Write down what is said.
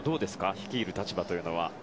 率いる立場というのは。